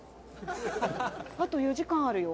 あと４時間あるよ。